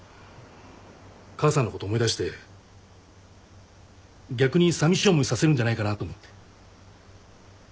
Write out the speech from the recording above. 母さんのこと思い出して逆にさみしい思いさせるんじゃないかなと思って。